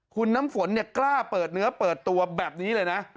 คุณน้ำฝนกล้าเปิดเนื้อเปิดตัวแบบนี้เลยนะ